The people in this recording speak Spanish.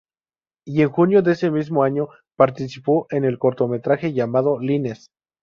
Y en junio de ese mismo año, participó en el cortometraje llamado "Lines".